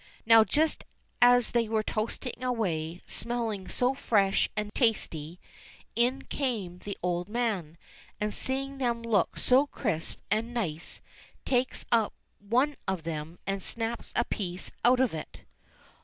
Now just as they were toasting away, smelling so fresh and tasty, in came the old man, and seeing them look so crisp and nice takes up one of them and snaps a piece out of it.